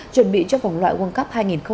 chuẩn bị cho vòng loại world cup hai nghìn hai mươi